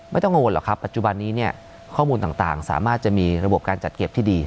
ไม่ต้องกังวลหรอกครับปัจจุบันนี้เนี่ยข้อมูลต่างสามารถจะมีระบบการจัดเก็บที่ดี